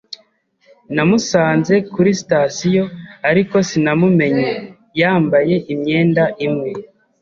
Namusanze kuri sitasiyo, ariko sinamumenye yambaye imyenda imwe.